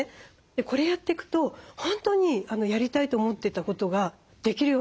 これやっていくと本当にやりたいと思ってたことができるようになるんですよ。